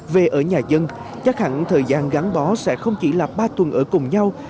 về ở nhà dân chắc hẳn thời gian gắn bó sẽ không chỉ là ba tuần ở cùng nhau